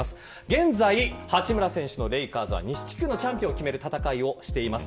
現在八村選手のレイカーズは西地区のチャンピオンを決める戦いをしています。